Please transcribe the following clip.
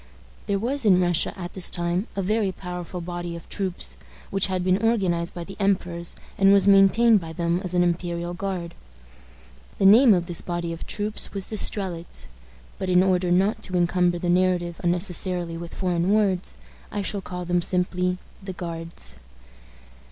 There was in Russia at this time a very powerful body of troops, which had been organized by the emperors, and was maintained by them as an imperial guard. The name of this body of troops was the Strelitz; but, in order not to encumber the narrative unnecessarily with foreign words, I shall call them simply the Guards.